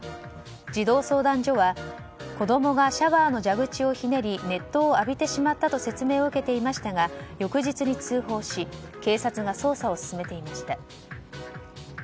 児童相談所は子供がシャワーの蛇口をひねり熱湯を浴びてしまったと説明を受けていましたが翌日に通報し警察が捜査を進めていました。